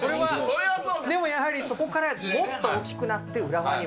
でもやはり、そこからもっと大きくなって浦和に。